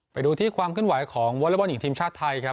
ไปดูที่ความขึ้นไหวของวอเล็กบอลหญิงทีมชาติไทยครับ